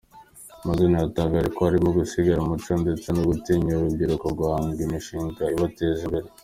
Mazina yatangaje ko harimo gusigasira umuco ndetse no gutinyura urubyiruko guhanga imishinga ibateza imbere.